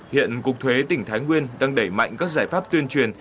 hiện cục thuế tỉnh thái nguyên đang đẩy mạnh các giải pháp tuyên truyền